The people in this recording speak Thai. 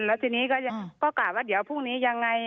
แล้วทีนี้ก็กล่าวว่าเดี๋ยวพรุ่งนี้ยังไง